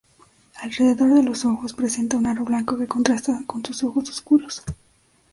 Alrededor de los ojos presenta un aro blanco que contrasta con sus ojos oscuros.